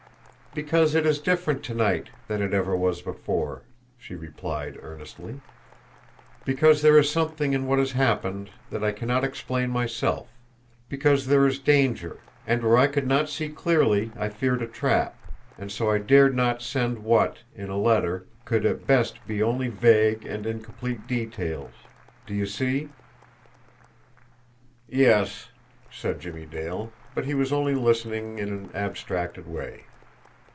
"Because it is different to night than it ever was before," she replied earnestly. "Because there is something in what has happened that I cannot explain myself; because there is danger, and where I could not see clearly I feared a trap, and so I dared not send what, in a letter, could at best be only vague and incomplete details. Do you see?" "Yes," said Jimmie Dale but he was only listening in an abstracted way.